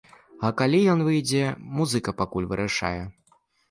А калі ён выйдзе, музыка пакуль вырашае.